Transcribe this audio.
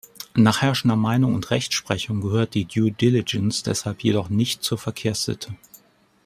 Nach herrschender Meinung und Rechtsprechung gehört die Due Diligence deshalb jedoch nicht zur Verkehrssitte.